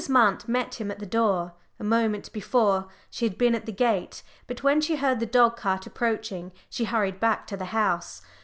Munt met him at the door; a moment before, she had been at the gate, but when she heard the dog cart approaching, she hurried back to the house.